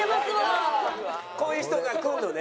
こういう人が来るのね。